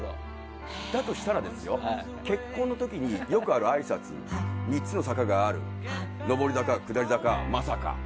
だとしたら結婚の時によくあるあいさつ３つの坂がある上り坂、下り坂、まさか。